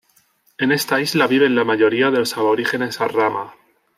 En esta isla viven la mayoría de los aborígenes rama.